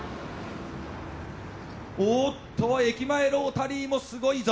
おっと駅前ロータリーもすごいぞ。